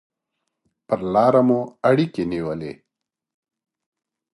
پر لاره مو اړیکې نیولې.